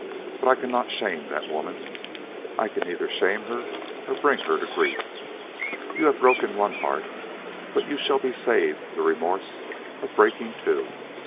But I cannot shame that woman I can neither shame her nor bring her to grief. You have broken one heart, but you shall be saved the remorse of breaking two.